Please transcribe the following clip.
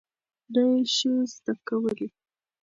نه یې شې زده کولی؟